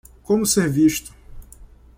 Como ser visto